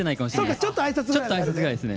ちょっとあいさつぐらいですね。